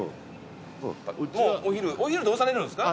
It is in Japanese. お昼どうされるんですか？